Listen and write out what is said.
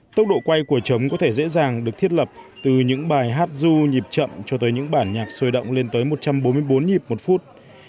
tốc độ quay của chấm có thể dễ dàng được thiết lập từ những bài hát du nhịp chậm cho tới những bản nhạc sôi động lên tới một trăm bốn mươi bốn nhịp một phút